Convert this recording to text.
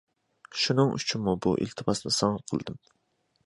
شۇنىڭ ئۈچۈنمۇ بۇ ئىلتىماسىنى ساڭا قىلدىم.